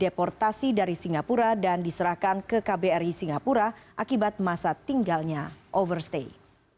deportasi dari singapura dan diserahkan ke kbri singapura akibat masa tinggalnya overstay